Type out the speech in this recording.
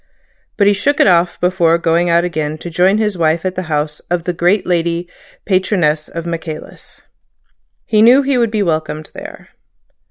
But he shook it off before going out again to join his wife at the house of the great lady patroness of Michaelis. He knew he would be welcomed there.